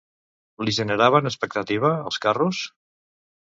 Li generaven expectativa, els carros?